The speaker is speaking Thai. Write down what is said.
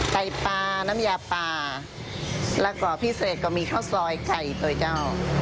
ไก่ปลาน้ำยาปลาแล้วก็พิเศษก็มีข้าวซอยไข่เตยเจ้า